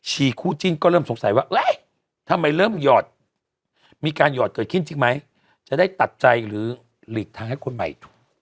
คู่จิ้นก็เริ่มสงสัยว่าทำไมเริ่มหยอดมีการหยอดเกิดขึ้นจริงไหมจะได้ตัดใจหรือหลีกทางให้คนใหม่